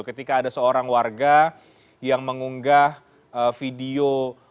ketika ada seorang warga yang mengunggah video